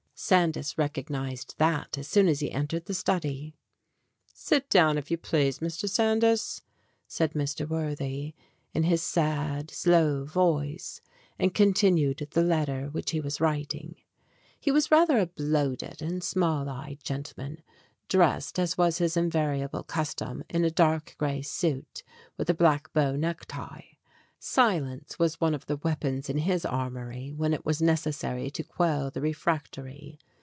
Sandys recognized that as soon as he entered the study. "Sit down, if you please, Mr. Sandys," said Mr. Worthy, in his sad, slow voice, and continued the letter which he was writing. He was rather a bloated and small eyed gentleman, dressed, as was his invariable custom, in a dark gray suit, with a black bow necktie. Silence was one of the weapons in his armory when it was necessary to quell the refractory.